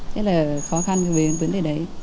thế là khó khăn về vấn đề đấy